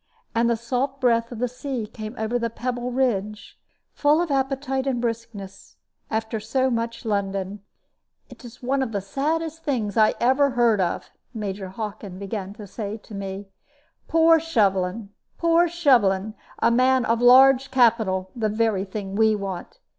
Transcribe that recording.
And the salt breath of the sea came over the pebble ridge, full of appetite and briskness, after so much London. "It is one of the saddest things I ever heard of," Major Hockin began to say to me. "Poor Shovelin! poor Shovelin! A man of large capital the very thing we want.